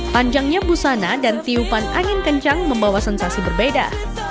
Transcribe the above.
panjangnya busana dan tiupan angin kencang membawa sensasi berbeda